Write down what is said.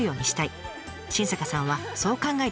新坂さんはそう考えています。